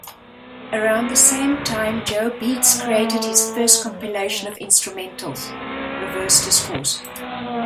Around the same time, Joe Beats created his first compilation of instrumentals, "Reverse Discourse".